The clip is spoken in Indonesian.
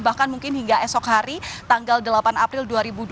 bahkan mungkin hingga esok hari tanggal delapan april dua ribu dua puluh